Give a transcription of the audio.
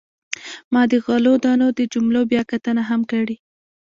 ما د غلو دانو د جملو بیاکتنه هم کړې.